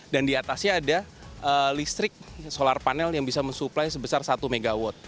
dan di atasnya ada listrik solar panel yang bisa mensuplai sebesar satu mw